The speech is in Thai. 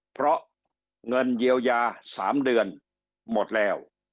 เพราะเงินเยียวยา๓เดือนหมดแล้ว